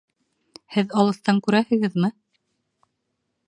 Һеҙ алыҫтан күрәһегеҙме?